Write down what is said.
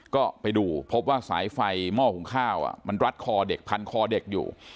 ก็ไปดูพบว่าสายไฟหม้อหุงข้าวมันรัดคอเด็กพันคอเด็กอยู่